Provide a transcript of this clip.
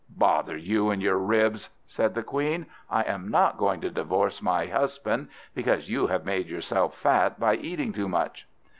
"Bother you and your ribs," said the Queen; "I am not going to divorce my husband because you have made yourself fat by eating too much."